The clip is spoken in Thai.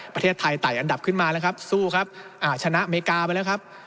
ประเทศไทยไต่อันดับขึ้นมาแล้วครับสู้ครับอ่าชนะอเมริกาไปแล้วครับ